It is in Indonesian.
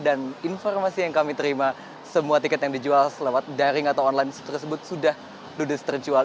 dan informasi yang kami terima semua tiket yang dijual selawat daring atau online tersebut sudah ludes terjual